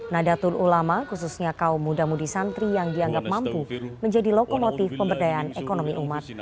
nadatul ulama khususnya kaum muda mudi santri yang dianggap mampu menjadi lokomotif pemberdayaan ekonomi umat